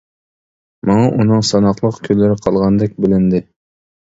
ماڭا ئۇنىڭ ساناقلىق كۈنلىرى قالغاندەك بىلىندى.